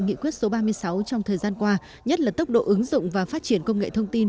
nghị quyết số ba mươi sáu trong thời gian qua nhất là tốc độ ứng dụng và phát triển công nghệ thông tin